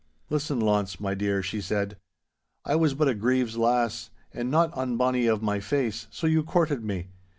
'Listen, Launce, my dear,' she said. 'I was but a Grieve's lass, and not unbonny of my face, so you courted me.